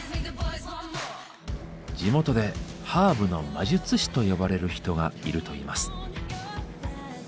地元で「ハーブの魔術師」と呼ばれる人がいるといいます。